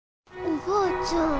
おばあちゃん。